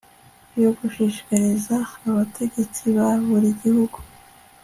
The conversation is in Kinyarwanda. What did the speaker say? yo gushyikiriza abategetsi ba buri gihugu